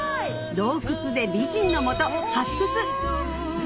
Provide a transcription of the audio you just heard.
洞窟で美人の素発掘！